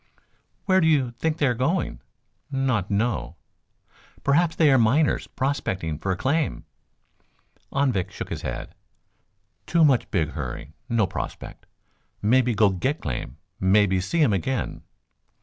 "Where do you think they are going?" "Not know." "Perhaps they are miners prospecting for a claim." Anvik shook his head. "Too much big hurry. No prospect. Mebby go get claim. Mebby see um again."